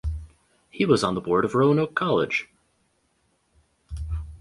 He was on the board of Roanoke College.